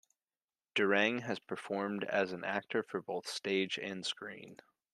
Durang has performed as an actor for both stage and screen.